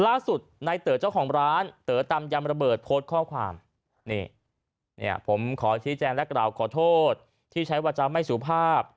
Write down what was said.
ล่าสุดในเต๋อเจ้าของร้านเต๋อตำยำระเบิดโพสต์ข้อความนี่เนี่ยผมขอชี้แจงและกล่าวขอโทษที่ใช้วาจาไม่สุภาพ